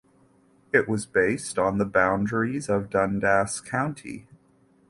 It was based on the boundaries of Dundas County.